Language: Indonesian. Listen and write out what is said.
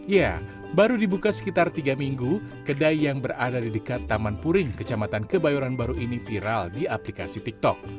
ya baru dibuka sekitar tiga minggu kedai yang berada di dekat taman puring kecamatan kebayoran baru ini viral di aplikasi tiktok